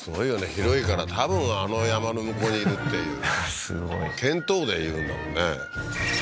広いから多分あの山の向こうにいるっていうすごい見当で言うんだもんね